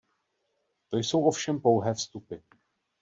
To jsou ovšem pouhé vstupy.